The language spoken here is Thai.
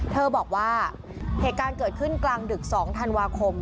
เธอบอกว่าเหตุการณ์เกิดขึ้นกลางดึก๒ธันวาคม